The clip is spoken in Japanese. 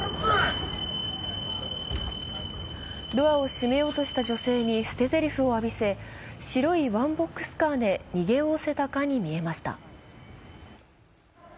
ドアを閉めようとした女性に捨てぜりふを浴びせ白いワンボックスカーで逃げおおせたかに見えました。